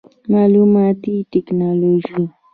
معلوماتي ټکنالوجي